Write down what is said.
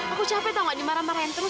aku capek tau gak dimarah marahin terus